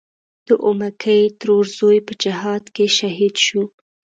د اومکۍ ترور زوی په جهاد کې شهید و.